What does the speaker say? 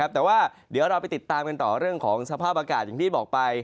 แต่ว่าเดี๋ยวเราไปติดตามกันต่อเรื่องของสภาพอากาศอย่างที่บอกไป